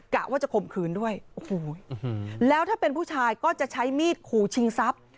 กะว่าจะข่มขืนด้วยโอ้โหแล้วถ้าเป็นผู้ชายก็จะใช้มีดขู่ชิงทรัพย์